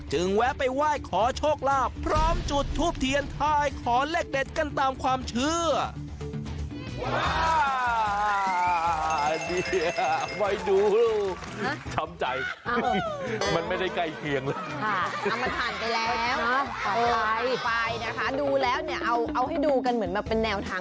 แวะไปไหว้ขอโชคลาภพร้อมจุดทูปเทียนทายขอเลขเด็ดกันตามความเชื่อ